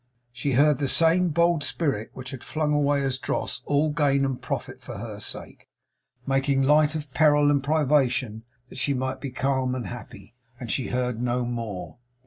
She heard the same bold spirit which had flung away as dross all gain and profit for her sake, making light of peril and privation that she might be calm and happy; and she heard no more.